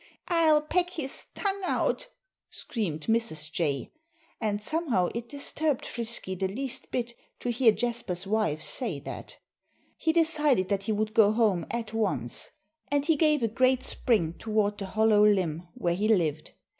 "I'll peck his tongue out!" screamed Mrs. Jay. And somehow it disturbed Frisky the least bit to hear Jasper's wife say that. He decided that he would go home at once. And he gave a great spring toward the hollow limb where he lived.